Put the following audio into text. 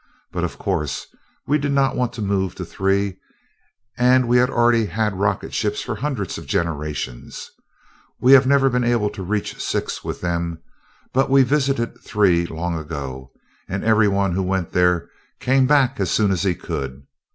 But, of course, we did not want to move to Three, and we had already had rocket ships for hundreds of generations. We have never been able to reach Six with them, but we visited Three long ago; and every one who went there came back as soon as he could.